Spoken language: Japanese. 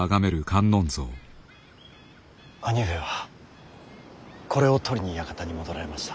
兄上はこれを取りに館に戻られました。